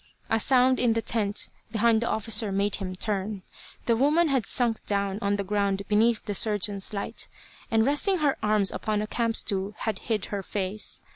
A sound in the tent behind the officer made him turn. The woman had sunk down on the ground beneath the surgeon's light, and resting her arms upon a camp stool had hid her face.